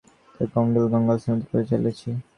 কমলা কহিল, গঙ্গায় স্নান করিতে চলিয়াছি।